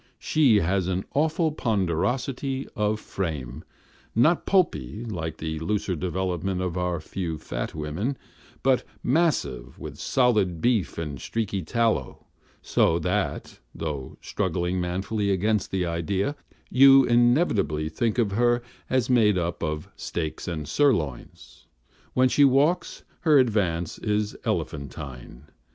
She has an awful ponderosity of frame, not pulpy, like the looser development of our few fat women, but massive with solid beef and streaky tallow; so that (though struggling manfully against the idea) you inevitably think of her as made up of steaks and sirloins. When she walks, her advance is elephantine.